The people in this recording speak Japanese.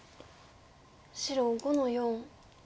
白５の四。